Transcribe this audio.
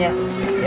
lihat ya kamarnya